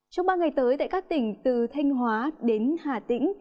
trong ba ngày tới tại các tỉnh từ thanh hóa đến hà tĩnh